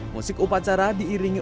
musik upacara diiringi